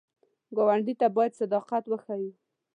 ګاونډي ته باید صداقت وښیو